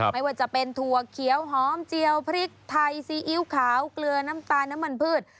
ไม่ว่าจะเป็นถั่วเขียวหอมเจียวพริกไทยซีอิ๊วขาวเกลือน้ำตาลน้ำมันพืช